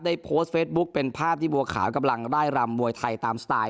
โพสต์เฟซบุ๊คเป็นภาพที่บัวขาวกำลังไล่รำมวยไทยตามสไตล์